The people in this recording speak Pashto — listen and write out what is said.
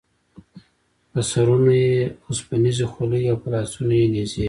په سرونو یې اوسپنیزې خولۍ او په لاسونو کې یې نیزې وې.